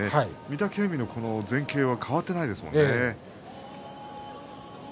御嶽海の前傾は変わっていないですよね。